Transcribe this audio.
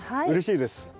うれしいです。